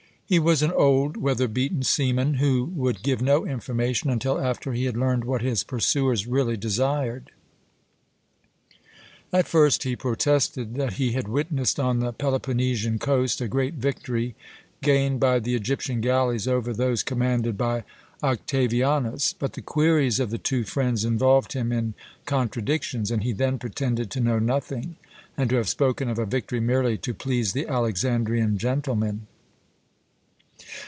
He was an old, weather beaten seaman, who would give no information until after he had learned what his pursuers really desired. At first he protested that he had witnessed on the Peloponnesian coast a great victory gained by the Egyptian galleys over those commanded by Octavianus; but the queries of the two friends involved him in contradictions, and he then pretended to know nothing, and to have spoken of a victory merely to please the Alexandrian gentlemen.